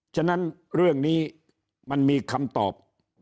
ฉะนั้นเรื่องนี้มันมีคำตอบ